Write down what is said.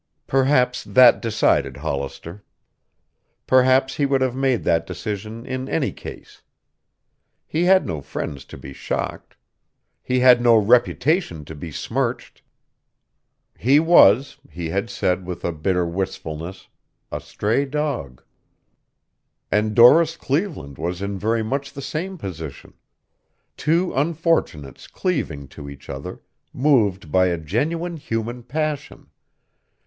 Perhaps that decided Hollister. Perhaps he would have made that decision in any case. He had no friends to be shocked. He had no reputation to be smirched. He was, he had said with a bitter wistfulness, a stray dog. And Doris Cleveland was in very much the same position. Two unfortunates cleaving to each other, moved by a genuine human passion.